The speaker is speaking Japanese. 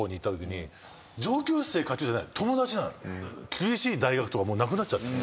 厳しい大学とかもうなくなっちゃった。